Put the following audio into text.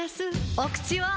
お口は！